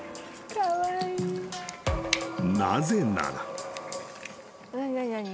［なぜなら］